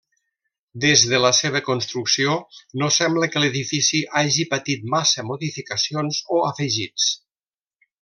Des de la seva construcció, no sembla que l'edifici hagi patit massa modificacions o afegits.